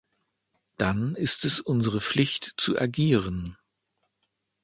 Dann ist es unsere Pflicht zu agieren.